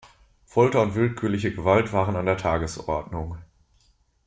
Folter und willkürliche Gewalt waren an der Tagesordnung.